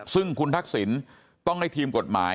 ซึ่งคุณทักษิณต้องให้ทีมกฎหมาย